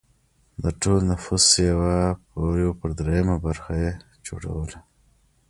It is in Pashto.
د ټول نفوس یو پر درېیمه برخه یې جوړوله.